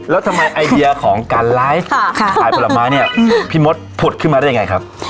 แล้วทำไมไอเดียของการไลฟ์ขายผลไม้เนี่ยพี่มดผุดขึ้นมาได้ยังไงครับ